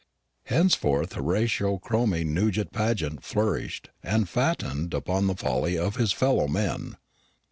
Henceforth Horatio Cromie Nugent Paget flourished and fattened upon the folly of his fellow men.